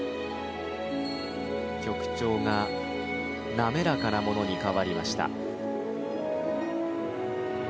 曲調が滑らかなものに変わりました。